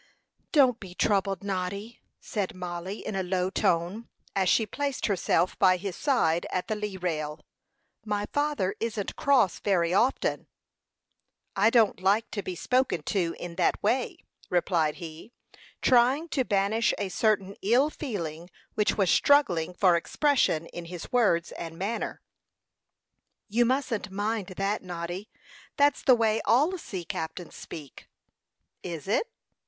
"Don't be troubled, Noddy," said Mollie, in a low tone, as she placed herself by his side at the lee rail. "My father isn't cross very often." "I don't like to be spoken to in that way," replied he, trying to banish a certain ill feeling which was struggling for expression in his words and manner. "You mustn't mind that, Noddy. That's the way all sea captains speak." "Is it?"